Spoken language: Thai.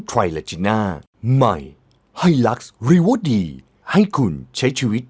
ถ้าชอบนะก็มาอยู่ด้วยกันดีกว่าไป